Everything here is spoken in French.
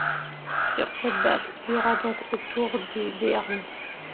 Sur cette base, il y aurait donc autour de béarnais.